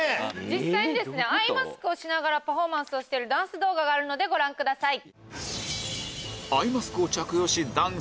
実際にアイマスクをしながらパフォーマンスをしているダンス動画ご覧ください。